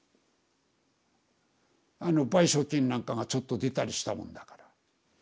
賠償金なんかがちょっと出たりしたもんだから。